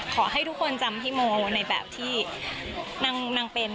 ขอให้ทุกคนจำพี่โมในแบบที่นางเป็น